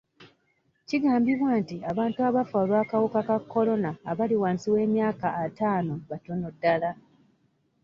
Kigambibwa nti abantu abafa olw'akawuka ka Corona abali wansi w'emyaka ataano batono ddala.